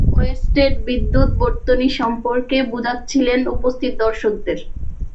Oersted বিদ্যুৎ বর্তনী সম্পর্কে বোঝাচ্ছিলেন উপস্থিত দর্শকদের।